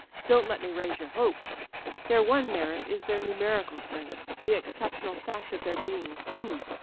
. Don't let nJe raise your hopes ... their one merit is their numerical strength: the exceptional fact of their being ttoo.